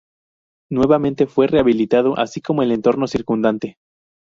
Nuevamente fue rehabilitado, así como el entorno circundante.